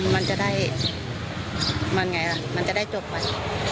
มันจะได้มันไงล่ะมันจะได้จบไป